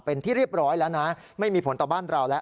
เป็นที่เรียบร้อยแล้วนะไม่มีผลต่อบ้านเราแล้ว